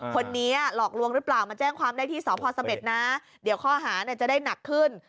คนนี้หลอกลวงหรือเปล่ามาแจ้งความได้ที่สพเสม็ดนะเดี๋ยวข้อหาเนี่ยจะได้หนักขึ้น